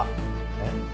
えっ？